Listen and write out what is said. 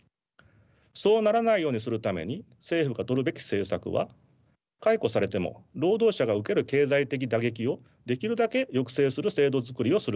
そうならないようにするために政府がとるべき政策は解雇されても労働者が受ける経済的打撃をできるだけ抑制する制度づくりをすることです。